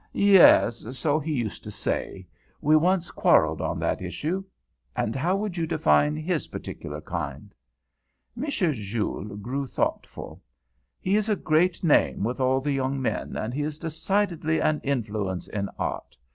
"Yes, so he used to say. We once quarrelled on that issue. And how would you define his particular kind?" M. Jules grew thoughtful. "He is a great name with all the young men, and he is decidedly an influence in art.